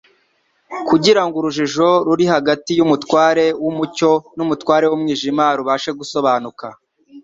kugira ngo urujijo ruri hagati y'umutware w'umucyo n'umutware w'umwijima rubashe gusobanuka.